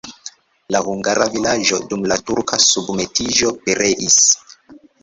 La hungara vilaĝo dum la turka submetiĝo pereis.